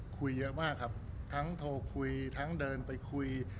คุยเยอะมากครับทั้งโทรคุยทั้งเดินไปคุย